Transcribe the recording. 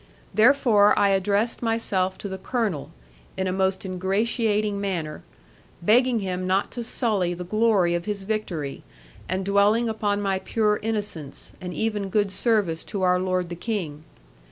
Therefore I addressed myself to the Colonel, in a most ingratiating manner; begging him not to sully the glory of his victory, and dwelling upon my pure innocence, and even good service to our lord the King.